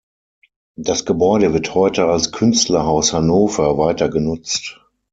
Das Gebäude wird heute als Künstlerhaus Hannover weiter genutzt.